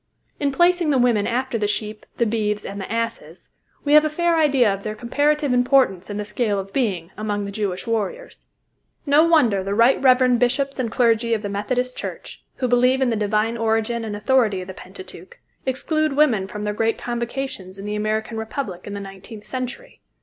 In placing the women after the sheep, the beeves, and the asses, we have a fair idea of their comparative importance in the scale of being, among the Jewish warriors. No wonder the right reverend bishops and clergy of the Methodist Church, who believe in the divine origin and authority of the Pentateuch, exclude women from their great convocations in the American Republic in the nineteenth century.